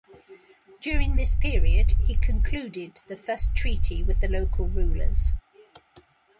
During this period, he concluded the first treaty with the local rulers.